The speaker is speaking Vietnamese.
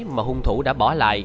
mà hung thủ đã bỏ lại